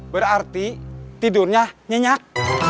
berarti tidurnya nyenyak